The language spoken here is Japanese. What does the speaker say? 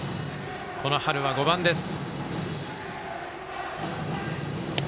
この春は５番です。